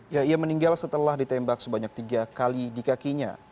ya ia meninggal setelah ditembak sebanyak tiga kali di kakinya